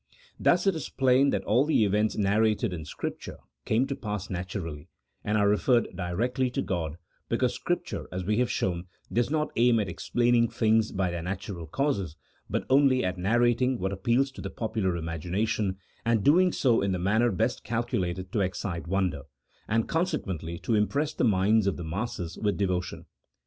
Thus it is plain that all the events narrated in Scripture came to pass naturally, and are referred directly to God because Scripture, as we have shown, does not aim at explaining things by their natural causes, but only at narrating what appeals to the popular imagination, and doing so in the manner best calculated to excite wonder, and consequently to impress the minds of the masses with devotion.